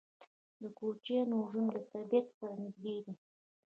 د کوچیانو ژوند له طبیعت سره نږدې دی.